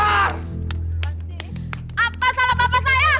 apa salah bapak saya